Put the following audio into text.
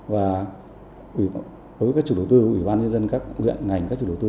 và đối với các chủ đồ tư ủy ban nhân dân các ngành các chủ đồ tư